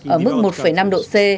ở mức một năm độ c